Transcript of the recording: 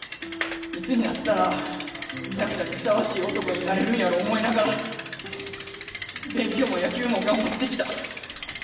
いつになったら小夜ちゃんにふさわしい男になれるんやろ思いながら勉強も野球も頑張ってきた。